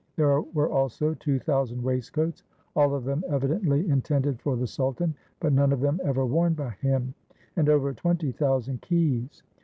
There were also two thousand waistcoats, all of them evidently intended for the sultan, but none of them ever worn by him, and over twenty thousand keys.